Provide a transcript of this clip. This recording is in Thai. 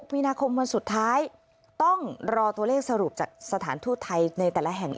มีนาคมวันสุดท้ายต้องรอตัวเลขสรุปจากสถานทูตไทยในแต่ละแห่ง